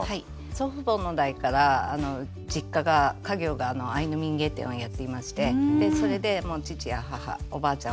祖父母の代から実家が家業がアイヌ民芸店をやっていましてでそれでもう父や母おばあちゃん